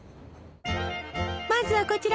まずはこちら！